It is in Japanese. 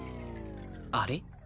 あれ？